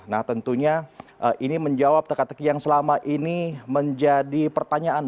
nah tentunya ini menjawab teka teki yang selama ini menjadi pertanyaan